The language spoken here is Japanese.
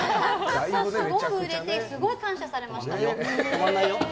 すごく売れてすごく感謝されました。